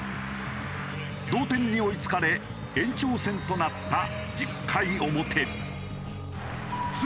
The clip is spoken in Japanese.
同点に追い付かれ延長戦となった１０回表。